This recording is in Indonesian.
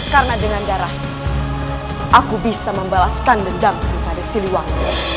karena dengan darah aku bisa membalaskan dendam kepada siliwang